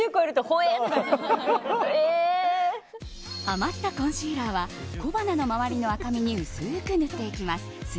余ったコンシーラーは小鼻の周りの赤みに薄く塗っていきます。